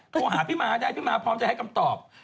โทรหาที่มาได้พร้อมจะให้คำตอบ